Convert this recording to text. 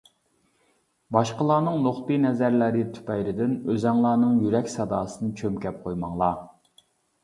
باشقىلارنىڭ نۇقتىئىنەزەرلىرى تۈپەيلىدىن ئۆزۈڭلارنىڭ يۈرەك ساداسىنى چۈمكەپ قويماڭلار.